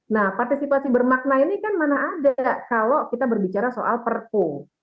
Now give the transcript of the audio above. nah partisipasi bermakna ini kan mana ada kalau kita berbicara soal perpu